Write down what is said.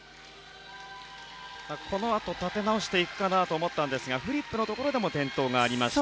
このあと立て直していくかなと思ったんですがフリップのところでも転倒がありました。